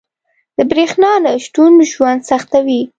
• د برېښنا نه شتون ژوند سختوي.